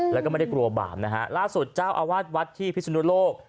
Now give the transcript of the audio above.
แล้วก็ไม่ได้กลัวบาปนะฮะล่าสุดเจ้าอาวาสวัดที่พิศนุโลก